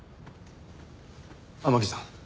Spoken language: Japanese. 天樹さん